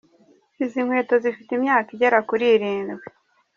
Izi nkweto zifite imyanya igera kuri irindwi.